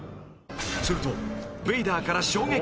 ［するとベイダーから］